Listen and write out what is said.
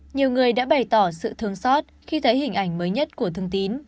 nhiều người đã bày tỏ sự thương xót khi thấy hình ảnh mới nhất của thương tín